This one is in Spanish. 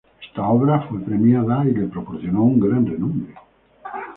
Esta obra fue premiada y le proporcionó un gran renombre.